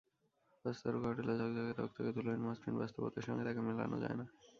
পাঁচ তারকা হোটেলের ঝকঝকে-তকতকে, ধুলোহীন মসৃণ বাস্তবতার সঙ্গে তাঁকে মেলানো যায় না।